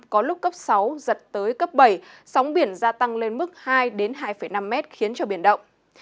có lúc cấp sáu giật tới cấp bảy sóng biển gia tăng lên mức hai hai năm mét khiến cho biển động